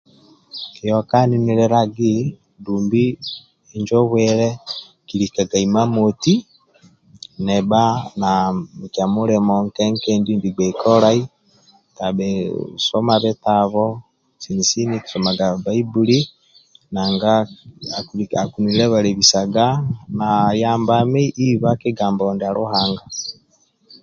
Kioka ninilelagi dumbi injo bwile kilikaga imamoti nibha na mikia mulimo ndie nke nke ndie nigbei kolai tabhi soma bitabo soma Bbaibuli nanga akinilebalebisaga iba kigambo ndia Luhanga